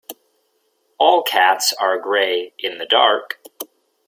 All cats are grey in the dark.